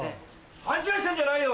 勘違いしてんじゃないよ！